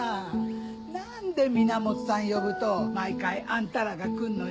何で源さん呼ぶと毎回あんたらが来んのよ。